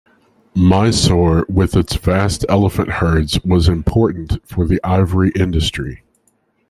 Mysore with its vast elephant herds was important for the ivory industry.